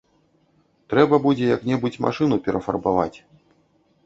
Трэба будзе як-небудзь машыну перафарбаваць.